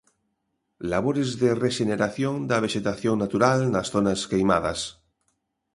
Labores de rexeneración da vexetación natural nas zonas queimadas.